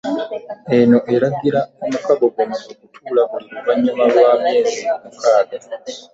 Eno eragira omukago guno okutuula buli luvannyuma lwa myezi mukaaga.